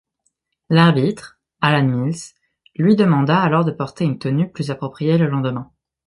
L'arbitre, Alan Mills, lui demanda alors de porter une tenue plus appropriée le lendemain.